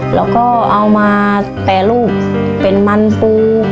แล้วก็เอามาแปรรูปเป็นมันปู